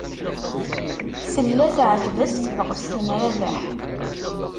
Tella teɛjeb-as tebɣest n Rabaḥ.